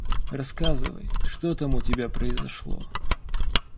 Рассказывай, что там у тебя произошло.